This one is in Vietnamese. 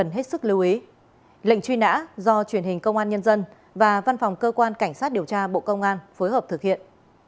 rất nhiều những chuyến xe mang theo những vùng khó khăn ảnh hưởng nặng sau ngập luộc